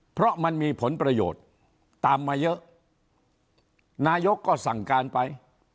เพราะมันมีผลประโยชน์ตามมาเยอะนายกก็สั่งการไป